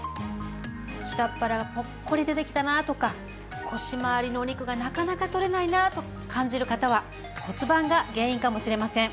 下っ腹がポッコリ出てきたなとか腰まわりのお肉がなかなか取れないなと感じる方は骨盤が原因かもしれません。